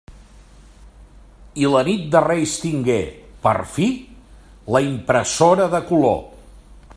I la nit de Reis tingué, per fi!, la impressora de color.